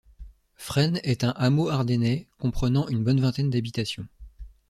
Frêne est un hameau ardennais comprenant une bonne vingtaine d'habitations.